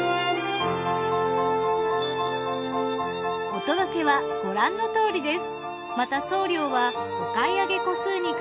お届けはご覧のとおりです。